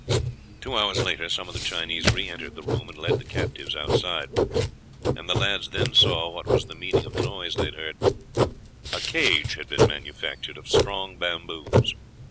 Two hours later some of the Chinese re entered the room and led the captives outside, and the lads then saw what was the meaning of the noise they had heard. A cage had been manufactured of strong bamboos.